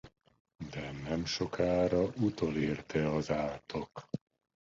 De nemsokára utolérte az átok.